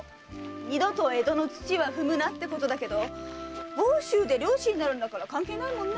二度と江戸の土は踏むなってことだけど房州で漁師になるんだから関係ないもんね。